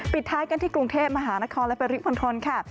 ปิดท้ายกันที่กรุงเทพฯมหานครและภริกพลทนค่ะ